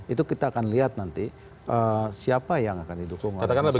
itu kita akan lihat nanti siapa yang akan didukung oleh presiden